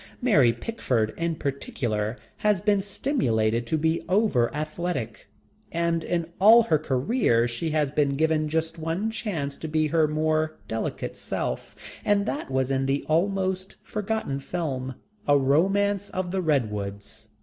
Mary Pickford in particular has been stimulated to be over athletic, and in all her career she has been given just one chance to be her more delicate self, and that was in the almost forgotten film: A Romance of the Redwoods.